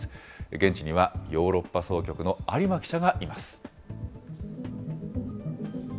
現地にはヨーロッパ総局の有馬記者がいます。